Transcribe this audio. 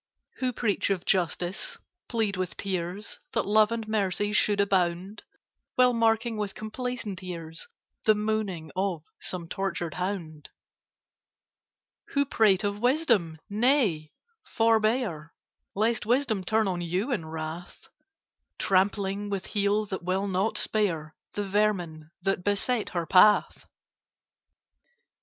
Who preach of Justice—plead with tears That Love and Mercy should abound— While marking with complacent ears The moaning of some tortured hound: Who prate of Wisdom—nay, forbear, Lest Wisdom turn on you in wrath, Trampling, with heel that will not spare, The vermin that beset her path!